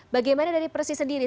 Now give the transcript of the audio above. bagaimana dari persis sendiri